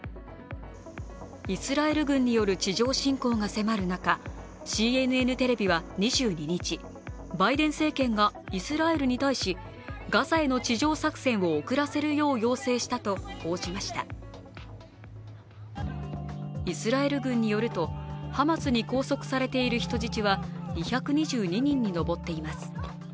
イスラエル軍による地上侵攻が迫る中、ＣＮＮテレビは２２日、バイデン政権がイスラエルに対しガザへの地上作戦をイスラエル軍によると、ハマスに拘束されている人質は２２２人に上っています。